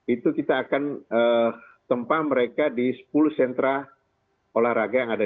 itu kita akan tempah mereka di sepuluh sentra olahraga yang ada